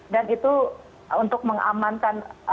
dan itu untuk mengamankan